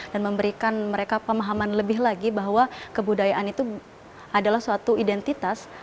dan memberikan mereka pemahaman lebih lagi bahwa kebudayaan itu adalah suatu identitas